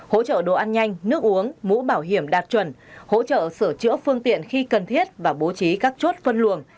hỗ trợ đồ ăn nhanh nước uống mũ bảo hiểm đạt chuẩn hỗ trợ sửa chữa phương tiện khi cần thiết và bố trí các chốt phân luồng